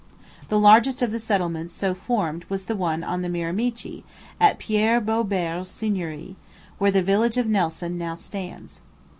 The largest of the settlements so formed was the one on the Miramichi, at Pierre Beaubair's seigneury, where the village of Nelson now stands.